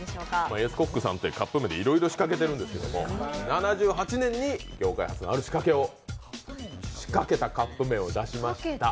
エースコックさんって、カップ麺でいろいろ仕掛けているんですけど７８年に業界初のある仕掛けたカップ麺を出しました。